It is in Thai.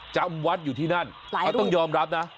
จำวัดอยู่ที่นั่นเขาต้องยอมรับนะ